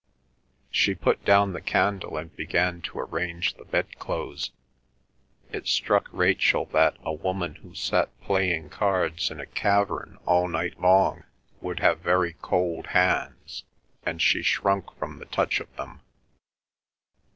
She put down the candle and began to arrange the bedclothes. It struck Rachel that a woman who sat playing cards in a cavern all night long would have very cold hands, and she shrunk from the touch of them.